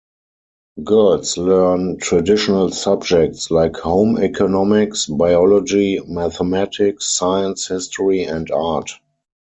Girls learn traditional subjects like home economics, biology, mathematics, science, history and art.